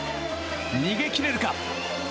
逃げ切れるか。